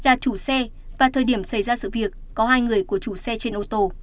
là chủ xe và thời điểm xảy ra sự việc có hai người của chủ xe trên ô tô